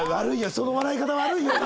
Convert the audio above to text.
その笑い方悪いよ。